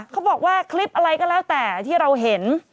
เขาบอกว่าคลิปอะไรก็แล้วแต่ที่เราเห็น